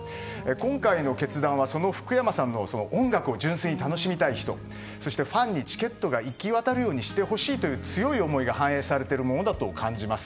今回の決断は、福山さんの音楽を純粋に楽しみたい人そして、ファンにチケットが行き渡るようにしてほしいという強い思いが反映されているものだと感じます。